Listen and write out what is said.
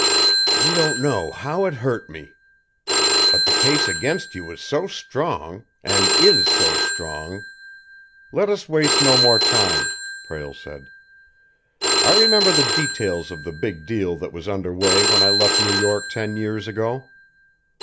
"You don't know how it hurt me. But the case against you was so strong and is so strong " "Let us waste no more time," Prale said. "I remember the details of the big deal that was under way when I left New York ten years ago.